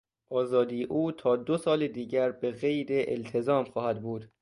آزادی او تا دو سال دیگر به قید التزام خواهد بود.